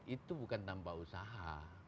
itu bukan tanpa usaha